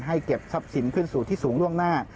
เก็บทรัพย์สินขึ้นสู่ที่สูงล่วงหน้า